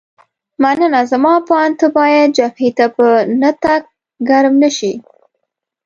مننه، زما په اند ته باید جبهې ته په نه تګ ګرم نه شې.